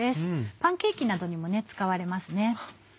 パンケーキなどにも使われます。